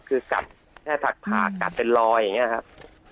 คือกัดแค่ผักกัดเป็นรอยอย่างนี้ครับ